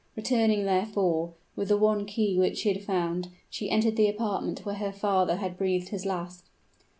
Returning, therefore, with the one key which she had found, she entered the apartment where her father had breathed his last.